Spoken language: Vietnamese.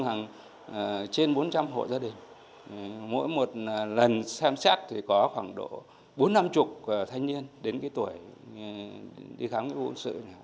hàng trên bốn trăm linh hộ gia đình mỗi một lần xem xét thì có khoảng độ bốn năm mươi thanh niên đến cái tuổi đi khám nghĩa vụ quân sự